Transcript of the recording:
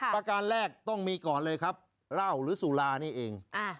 ประการแรกต้องมีก่อนเลยครับเหล้าหรือสุรานี่เอง